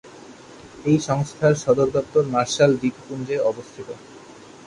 এই সংস্থার সদর দপ্তর মার্শাল দ্বীপপুঞ্জে অবস্থিত।